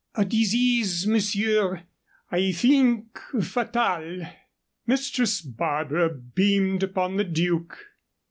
"A disease, monsieur; I think fatal." Mistress Barbara beamed upon the Duke.